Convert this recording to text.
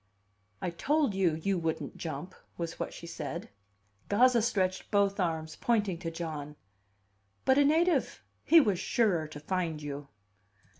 "I told you you wouldn't jump," was what she said. Gazza stretched both arms, pointing to John. "But a native! He was surer to find you!"